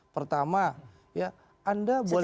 pertama ya anda boleh